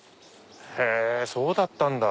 へぇそうだったんだ。